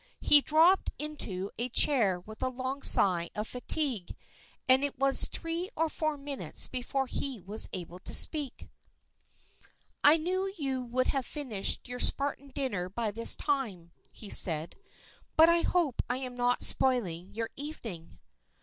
He dropped into a chair with a long sigh of fatigue, and it was three or four minutes before he was able to speak. "I knew you would have finished your Spartan dinner by this time," he said, "but I hope I am not spoiling your evening."